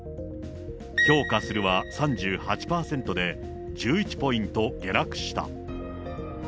評価するは３８％で、１１ポイント下落した。